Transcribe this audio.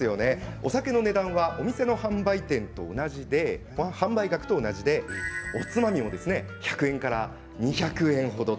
お酒の値段はお店の販売価格と同じでおつまみも１００円から２００円程。